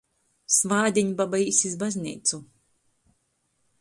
Svātdiņ baba īs iz bazneicu.